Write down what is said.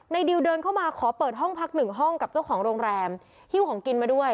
ดิวเดินเข้ามาขอเปิดห้องพักหนึ่งห้องกับเจ้าของโรงแรมหิ้วของกินมาด้วย